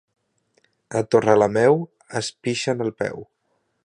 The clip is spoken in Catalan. A Torrelameu es pixen al peu.